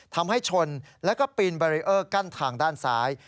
ทำให้ชนแล้วก็ปีนบารีเออร์กั้นทางด้านซ้าย